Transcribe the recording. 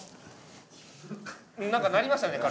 なんか鳴りましたね